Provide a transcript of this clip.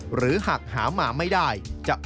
หรือหากหามาไม่ได้